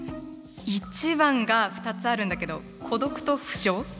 一番が２つあるんだけど「孤独」と「不詳」。